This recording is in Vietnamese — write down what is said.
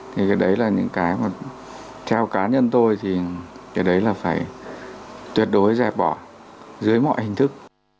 thì cái đấy là những cái mà theo cá nhân tôi thì cái đấy là phải tuyệt đối dẹp bỏ dưới mọi hình thức